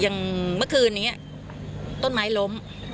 อย่างเมื่อคืนนี้ต้นไม้ล้ม